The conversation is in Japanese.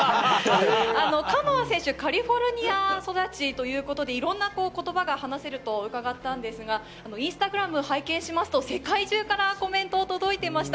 カノア選手、カリフォルニア育ちということで、いろいろな言葉が話せると伺ったんですが、インスタグラムを拝見すると、世界中からコメントが届いていました。